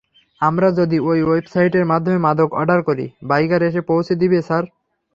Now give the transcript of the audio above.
আমরা যদি ওই ওয়েবসাইটের মাধ্যমে মাদক অডার করি, বাইকার এসে পৌঁছে দিবে, স্যার?